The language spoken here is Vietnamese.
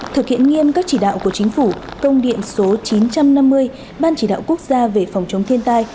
thực hiện nghiêm các chỉ đạo của chính phủ công điện số chín trăm năm mươi ban chỉ đạo quốc gia về phòng chống thiên tai